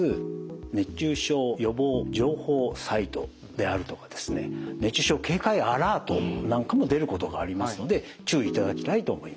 熱中症予防情報サイトであるとか熱中症警戒アラートなんかも出ることがありますので注意いただきたいと思います。